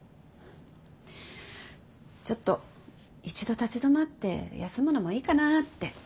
ちょっと一度立ち止まって休むのもいいかなって。